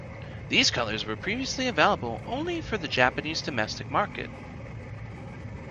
These colours were previously available only for the Japanese domestic market.